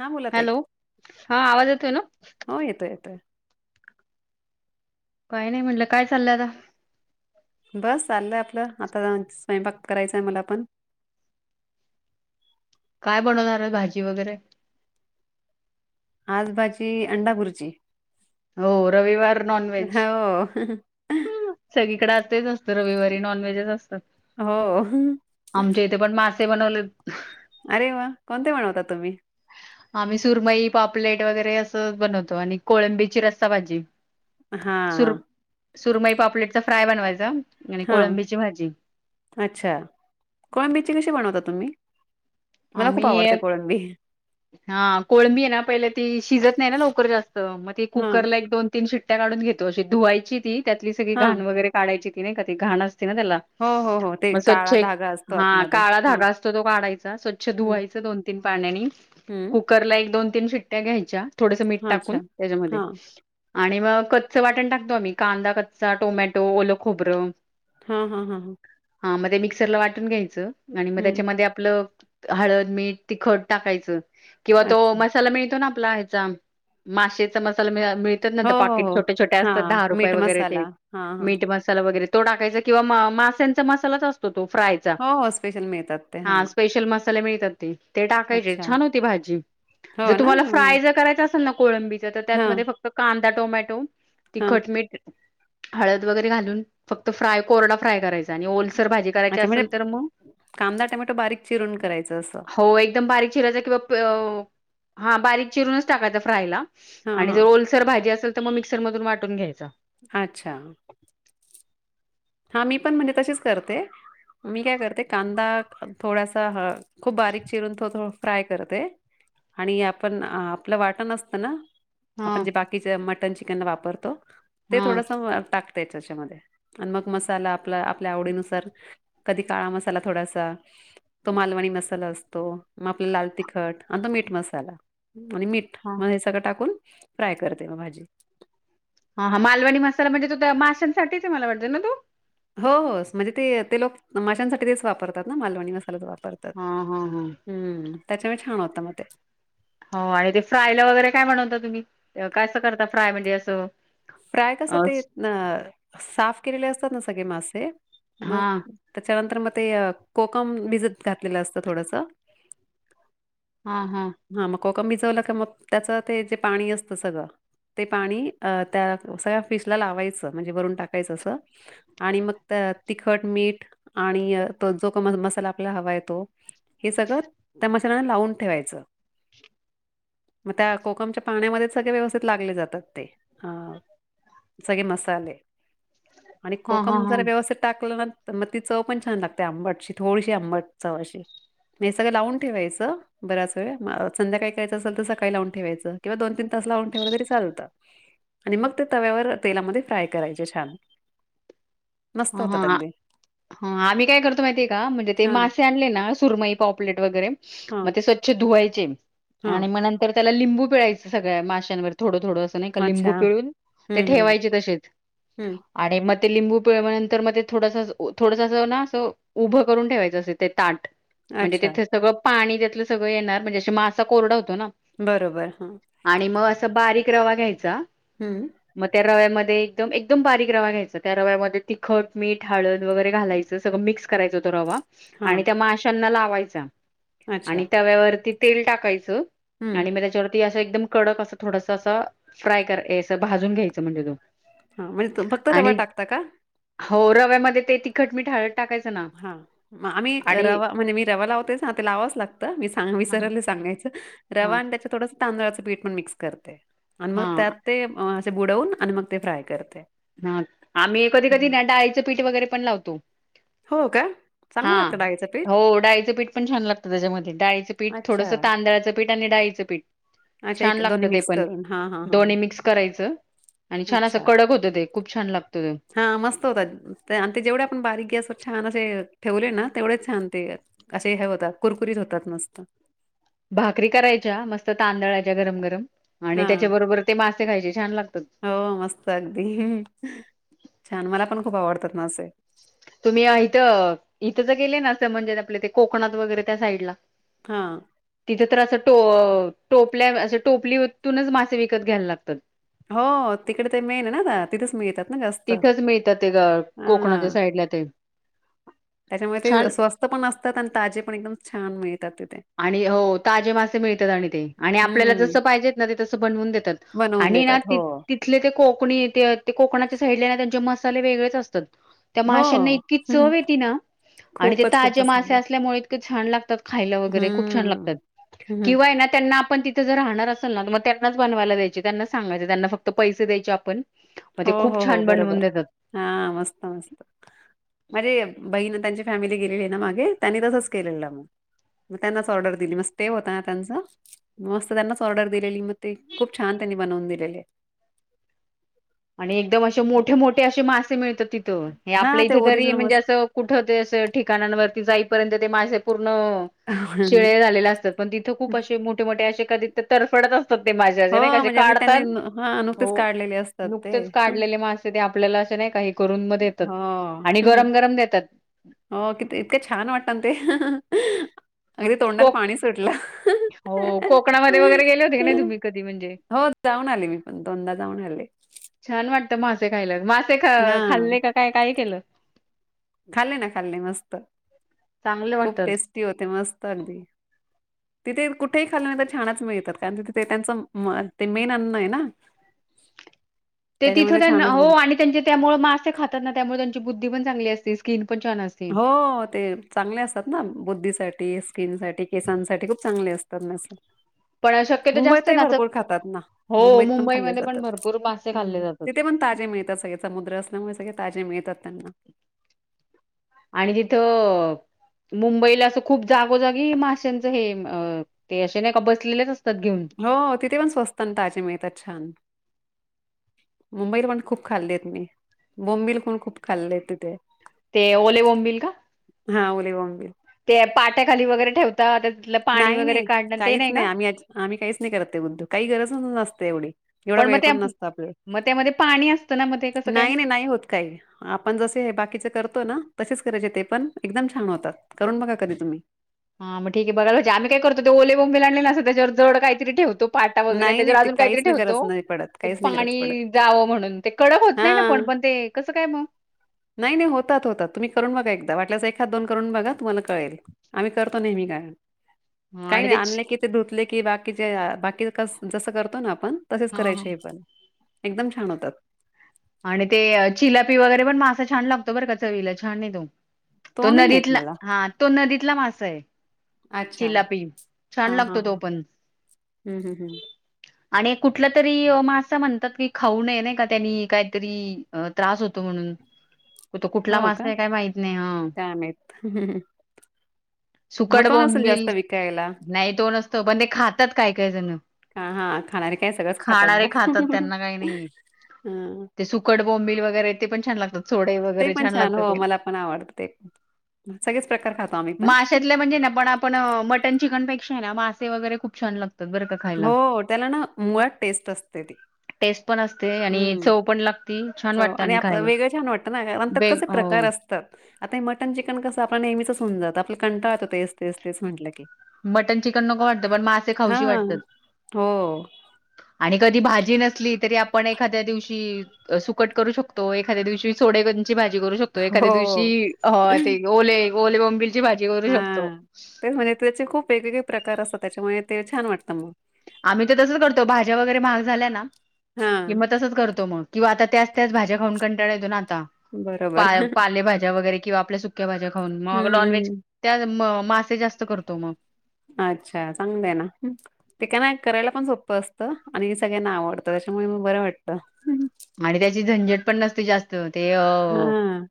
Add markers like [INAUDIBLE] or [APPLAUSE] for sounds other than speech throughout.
हा बोला ताई हा आवाज येतोय ना, हो येतोय येतोय काय नाही म्हटलं काय चाललंय आता. बस चाललंय आपलं आता जा स्वयंपाक करायचंय मला पण काय बनवणार आहे भाजी वगैरे, आजभजी अंडा खुरची हो रविवार [INAUDIBLE] नॉनव्हेज हो, सगळीकडे आ तेच असत रविवारी नॉन व्हेजच असत हो [INAUDIBLE] आमच्या इथे पण मा ते बनवलेत. अरे वा कोणते म्हनवता तुम्ही? आम्ही सुरमई, पापलेट वगैरे असं बनवतो आणि कोळंबीची रस्ता भाजी. हा हा. सुर सुरमई पापलेटचा फ्राय बनवायचा. आणि हा कोळंबीची भाजी अच्छा कोयबिची कशी बनवता तुम्ही? मला खूप आम्ही, आवडते कोळंबी हा कोळबी आहे ना पहिले ती शिजत नाही ना लवकर जास्त मग ती हा कुकरला एक दोन तीन शिट्ट्या काढून घेतो अशी धुवायची ती त्यातली सगळी हा घाण वगैरे काढयची. त नाही क घाण त्याला हो हो हो ते मग स्वच्छ काळा धागा असतो हा आतमध्ये काळा हा धागा असतो तो काढायचा स्वच अचछ हम्म धुवायचं दोन तीन पाण्यानी हम्म कुकरला एक दोन तीन फिट्ट्या घ्यायच्या. थोडस मीठ अच्छा टाकून त्याच्यामध्ये. हा आणि मग कच्च वाटण टाकतो आम्ही. कांदा कच्चा टोमॅटो, ओल खोबरं. हा हा हा हा. हा मध्ये मिक्सरला वाटून घ्यायचं. आणि मग हम्म त्याच्यामध्ये आपलं हळद, मीठ, तिखट टाकायचं किंवा तो अच्छा मसाला मिळतो ना चा माशचा मसाला मि मिळतात ना. हो तर हो पाकिट हो छोट्या छोट्या हा असतात दहा रुपये मीठ वगैरे ते मसाला हा हा मीट मसाला वगैरे तो टाकायचा किंवा म मासांचा मसालाच असतो तो फ्राय चा. हो, हो. स्पेशल मिळतात ते. ह हां. स्पेशल म मसाला मिळतात ते. ते टाकायचे अच्छा. छान होती भाजी. जर हो ना? तुम्हाला हं. फ्राय जर करायच असेल ना? कोळंबीचा तर हां, त्यातमध्ये फक्त कांदा, टोमॅटो ती हां. खटमीट हळद वगैरे घालून फक्त फ्राय कोरडा फ्राय करायचा. आणि ओ सर भाजी करायची अच्छा असेल म्हणजे तर मग कांदा, टोमॅटो बारीक चिरून करायचं असं. हो एकदम बारीक चिरायचा किंवा हा बारीक चिरूनच टाकायचा फ्रायला. हां, आणि जर हां. ओलसर भाजी असेल तर, मग मिक्सर मधून वाटून घ्यायच. अच्छा. हा मी पण म्हणजे तशीच करते. मी काय करते कांदा थोडासा खूप बारीक चिरून थोडं थोडं फ्राय करते. आणि आपण आपलं वाटा नसतं ना? आपण हां जे बाकीचे मटन चिकनला वापरतो. ते हां. थोडस टाकतय त्याच्यामध्ये. आणि मग मसाला आपला आपल्या आवडीनुसार कधी काळा मसाला थोडासा. तो मालवणी मसाला असतो. मग आपला लाल तिखट आणि तो मीठ मसाला. आणि मीठ हां म्ह हे सगळं टाकून फ्राय करते म भाजी. हा हा मालवणी मसाला म्हणजे तो माशांसाठीच मला वाटत ना तो? हो होस म्हणजे ते लोक माशांसाठी तेच वापरतात ना मालवणी मसालाच वापरात. हां हां हां. हम्म त्याच्यामुळे छान होत मग ते. हो आणि ते फ्रायला वगैरे काय म्हणवता तुम्ही? काय असं करता फ्राय म्हणजे असं? फ्राय कस अ ते ना साफ केलेले असतात ना सगळे मासे मग हां त्याच्यानंतर म ते कोकम भिजत घातलेलं असत थोडस. हा हम्. कोकम भजवला क मग त्याच ते जे पाणी असतं सगळं ते पाणी त्या सगळ्या फिश ला लावायचं म्हणजे वरून टाकायचं असं आणि मग त्या तिखट, मीठ आणि त जो का मसाला आपल्याला हवाय तो हे सगळं त्या मसाल्याना लावून ठेवायचं. ह् मग त्या कोकमच्या पाण्यामध्येच सगळे व्यवस्थित लागले जातात ते. अ सगळे मसाले. आणि हां हां कोकम हां जरा व्यवस्थित टाकल ना तर मग ती चव पण छान लागते आंबटची. थोडीशी आंबट चव अशी. म सगळं लावून ठेवायचं बराच वेळ. संध्याकाही करायचं असेल तर सकाळी लावून ठेवायचं किंवा दोन तीन तस लावून ठेवलं तरी चालतं. आणि मग ते तव्यावर तेलामध्ये फ्राय करायचे छान. मस्त होतात अगदी हा आम्ही काय करतो माहिती आहे का म्हणजे ते हां मासे आणले ना सुरमई पाॉपलेट वगैरे हां मग ते स्वच्छ धुवायचे हां आणि मग नंतर त्याला लिंबू पिळायच सगळ्या माशांवर थोडं ठ अच्छा हं हं हं पळ नंतर मग ते थोडस थोडस ना असं उभं करून ठेवायचं असं ते ताट म्हणजे अच्छा तेिथे सगळं पाणी त्यातलं सगळं येणार म्हणजे मासा कोरडा होत बरोबर हा बक रवा घ्याय हं म त्या रव्या [UNINTELLIGIBLE] म एकदम बारीक रवा्या घ्यायच त्या रव्यामध्ये तिखट मीठ हळद वगैरे घालायचं सगळं मिक्स कराय हो रवा हां आणि त्या माशांना लावायचा अच्छा आणि त्या ववरती तेल टाकायचं हं आणि म त्याच्यावरती अस एक कडक अस थोडस अस फ्राय करा भाजून घ्यायचं म्हणजे तो हा म्हणजे त फक्त रवा आणि टाकता का हो रव्यामध्ये ते तिखट मी हाळद हा म आम्ही रवा म्हणजे मी रवा लावतेच ना ते लावाच लागतं मी सां हा विसरयले सांगायचं. हा रवा आणि त्याच्या थोडंस तांदळाचं पीठ पण मिक्स करते. आणि मग हा त्यात ते बुडवून आणि मग ते फ्राय करते. हा आम्ही ए कधी कधी हं. ना डाळीचं पीठ वगैरे पण लावतो. हो का. हा चांगलं लागतं डाळीचं पीठ? हो डाळीचं पीठ पण छान लागतं त्याच्यामध्ये डाळीचं पीठ अच्छा. थोडस तांदळाचं पीठ त्यां डाईचं पिठ. अच्छा छान एक दोन्ही लागतं ते मिक्स पण करून. हां, हां, हां, दोन्ही मिक्स करायचं आणि छान असं कडक होतं ते. खूप छान लागतं ते. हा मस्त होतात आणि ते जेवढे आपण बारीक गॅसवय छान असे ठेवले ना तेवढेच छान ते असे हे होतात कुरकुरीत होतात मस्त. भाकरी करायच्या मस्त तांदळायच्या गरम गरम आणि हां. त्याच्या बरोबर ते मासे खायचे छान लागतात. हो, मस्त अगदी. छान मला पण खूप आवडतात मासे. तुम्ही इथं इथं ज गेले ना असं म्हणजे आपले ते कोकणात वगैरे त्या साईडला. हां. तिथं तर असं टो टोपल्या अस टोपलीतूनच मासे विकत घ्यायला लागतात. हो तिकडे ते मेन ये ना ना तिथेच मीळतात. तिथंच मिळतात ते ग कोकणाच्या साईडला ते. त्याच्यामुळे छान ते स्वस्त पण असतात आणि ताजे पण एकदम छान मिळतात तिथे. आणि हो ताजे मासे मिळतात आणि ते आणि आपल्याला हम्म जसं पाहिजेत ना ते तसं बनवून देतात. बनवून आणि ना देतात ति हो तिथले ते कोकणी ते कोकणाच्या साईडला ना त्यांचे मसाले वेगळेच असतात. त्या हो माश्यांना इतकी हम्म. चव येती ना. आणि ते खूपच ताज्या खूपच मासे सुंदर असल्यामुळे इतके छान लागतात खाय व गैरे खूप छान हम्म लागतात. हम्म. किंवा आहे ना त्याना आपण तिथं जर राहणार असेल ना तर मग त्यांनाच बनवायला द्यायचे त्यांनाच सांगायच त्यांना फक्त पैसे द्याचे आपण मग हो ते खूप हो हो छान बनवून बरोबर देतात. हा मस्त मस्त म्हणजे बहीण त्यांच्या फॅमिली गेलेली ना मागे त्यांनी तसंच केलेलं मग. मग त्यांनाच ऑर्डर दिली म ते होता ना त्यांच मस्त त्यांनाच ऑर्डर दिलेली मग ते खूप छान त्यांनी बनवून दिलेले. आणि एकदम असे मोठे मोठे असे मासे मिळतात. तिथं हा आपल्या ते इथं तरी ओरिजिनल म्हणजे अस मस्त कुठ ठिकाणवरती जापर्यंत ते मासे शेळे झाले असतात पण तिथं खूप असे मोठे मोठे असे कधी तफडत अस तात ते मासे हो, असे नाही का म्हणजे अगदी काढतात, त्यांनी न हां, नुकतेच हो. काढलेले असतात ते. नुकतेच हो. काढलेले मासे ते आपल्याला असे नाही का हे करून मग देतात आणि गरम गरम देतात. हो किती इतकं छान वाटत ना ते अगदी तोंडाला कोक पाणी सुटलं. हो कोकणामध्ये वगैरे गेले होते की नाही तुम्ही कधी म्हणजे? हो जाऊन आले मी पण दोनदा जाऊन आले. छान वाटतं मासे खायला मासे ख हां, खाल्ले काय? काय केलं? खाल्ले ना खाल्ले मस्त चांगले खूप वाटतात. टेस्टी होते मस्त अगदी. तिथे कुठेही खाल्लं नाही तर छानच मिळतात, कारण तिथे त्यांच ते मेन अन्नये ना. [INAUDIBLE] ते तिथं त्याच्यामध्ये त्यांना छानच हो बनवतात. आणि त्यांचे त्यामुळे मासे खातात ना त्यामुळे त्यांची बुद्धी पण चांगली असते स्किन पण छान असते. हो ते चांगले असतात ना बुद्धीसाठी, स्किन साठी, केसांसाठी खूप चांगले असतात. तरण असं. पण शक्यतो जास्त ना अस हो मुंबईमध्ये पण भरपूर पा हम्म तिथ पण ताजे मिळतात सगळे समुद्र असल्यामुळे सगळे ताजे मिळ तात त्यांना. आणि तिथं मुंबईला असं खूप जागोजागी माश्यांचं हे ते असे नाही का बसलेलेच अस हो तिथे पण स्वस्त न ताजे मेळतात छान. मुंबईत पण खूप खाल्लीयेत मी बोंबील पण खूप खाल्लेय तिथे. ते ओले बोंबिल का? हा ओले बोंबील. ते पाट्याखाली वगैरे ठेवताात. नाही नाही काहीच नाही आम्ही आम्ही काहीच नाही करत ते उद्योग काही गरजच नसते एवढी एव ढा मग वेळ त्या पण नस्त आपल्याला, मग त्यामध्ये पाणी असतं ना मग ते कसं काय नाहीन नाही होत काही आपण जसे बाकी चे करतो ना तसेच करायचे ते पण एकदम छन होतात, करून बघा कधी तुम्ही. बरा म्हणजे आम्ही काय करतो ते ओले बोंबील आणले असत त्यावर जड काहीतरी ठवतो. पाटा वगैरे नाही नाही त्याच्यावर ते अजून काहीतरी काहीच नाही गरज ठेवतो नाही पडत. काहीच नाही गरज पडत. पाणी जावं म्हणून ते कडक होत नाही ना पण हां. प ण ते कसं काय मग. नाही नाही होतात होताात तुम्ही करून बघा एकदा वाट एखाद दोन करून बघा तुम्हाला कळेल आम्ही करतो नेहमी कायम. हा काही आणि नाही आणले की ते धुतले की बाकीचे बाकी जस करतो ना आपण तसेच हा कराय हा हे पण एकदम छान होतात. आणि ते चिलापी वगैरे पण मासाा छान लागतो बर का चवीला छाने तो. तो नाही माहीत नदीतला मला. हा तो नदीतला मासाये. अच्छा. चिलापी छान हां, हां, लागतो तो हां. पण. हं, हं, हं. आणि एक कुठलं तरी मासा म्हणतात की खाऊ नये नाही का त्यांनी काय तरी त्रास होतो म्हणून. कु तो कुठला हो का? मासाये काय माहित नाही हा. काय माहीत. मग सुकड तो नसेल बोंबिल जास्त विकायला. नाही तो नसत पण ते खातात काय काय जण. हा हा खाणारे काय सगळंच खातात खाणारे बो त्यांना काही नाहीये ह. ते सुकट बोंबिल वगैरे ते पण छान लागतात चोडे ते वगैरे पण छान लागत हो, ते. मला पण आवडतं ते. सगळेच प्रकार खातो आम्ही पण. माश्यातलं म्हणजे ना बर आपण मटन चिकन पेक्षाय ना मासा वगैरे खूप छान लागते. हो त्याला ना मुळात टेस्ट असते ती. टेस्ट पण असते आणि हं. चव पण लागती. छान वाटतं आणि आप खायला वेगळं छान वाटतं ना त्यात बे कसे प्रकार हो असतात आता हे मटन चिकन कसं आपण नेहमीच होऊ जात आप कंटाळा यतो तेच तेच तेच म्हटलं की. मटन चिकन नको वाटत पण मासे खाऊशी हां. वाटतत हो, आणि कधी भाजी जी नसली तरी आपण एखाद्या दिवशी सुकट करू शकतो. एखाद्या दिवशी सोडेगनची भाजी करू शकतो, एखाद्या दिवशी हो. ह ते ओले ओले बोंबील ची भाजी करू शकतो. हां. तेच म्हणजे त्याचे खूप वेगवेगळे प्रकार असतात, त्याच्यामुळे ते छान वाटतं म. आम्ही तर तसच करतो भाज्या वगैरे महाग झाल्या ना किं हां, म तसच करतो म. किंवा आता त्याच त्याच भाज्या खाऊन कंटाळ येतो ना आता, बरोबर. पा पाले भाज्या वगैरे किंवा आपल्या सुक्या भाज्या. अन मग हं, नॉनव्हेज हं. त्या म मासे जास्त करतो मग [INAUDIBLE] अच्छा चांगलंय ना ते का ना करायला पण सोपं असतं आणि मी सगळ्यांना आवडतं त्याच्यामुळे म बरं वाटतं आणि त्याची झंझट पण नसते जास्त ते अ हां,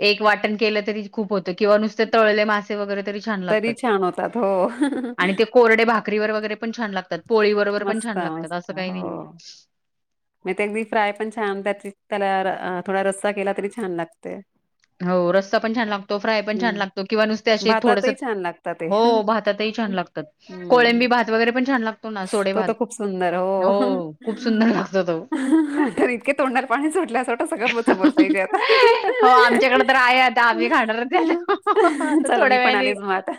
[INAUDIBLE] एक वाटण केलं खूप होतं किंवा नुसते तळले मासे वगैर छान तरी लागतात छान होतात. हो. [INAUDIBLE] आणि ते कोरडे भाकरीवर वगैरे पण छान लागतात पोळी बरोबर पण मस्त छान लागतात असं काही नाही म ते अगदी फ्राय पण छान त्या त्याला थोडा रस्सा केला तरी छान लागते हो रस्ता पण छान लागतो फ्राय पण छान हम्म लागतो किंवा नुसते असे थोडस भातातही छान लागतात ते हो भातातही छान लागतात कोळंबी हम्म भात वगैरे पण छान लागतात तो ना सोडे तर भात खूप सुंदर [INAUDIBLE] हो खूप सुंदर लागतो तो [INAUDIBLE] तर इतके तोंडाला [UNINTELLIGIBLE] हो आमच्याकडे तर आहे आता आम्ही खाणारच आहे आता आता चला थोड्या मी पण वेळाने आलेच म आता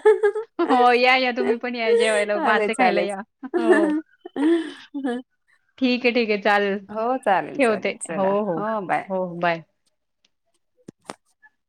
हो या या तुम्ही पण या जेवायला [UNINTELLIGIBLE] मासे आलेच खायला या आलेच हो [UNINTELLIGIBLE] ठीक आहे ठीक आहे चालेल. हो चालेल ठेवते. चालेल चला हो बाय. हो बाय. [INAUDIBLE]